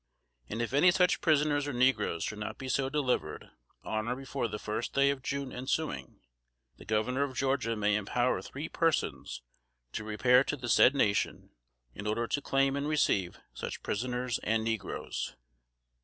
And if any such prisoners or negroes should not be so delivered, on or before the first day of June ensuing, the governor of Georgia may empower three persons to repair to the said nation, in order to claim and receive such prisoners and negroes."